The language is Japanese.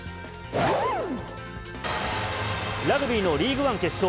ラグビーのリーグワン決勝。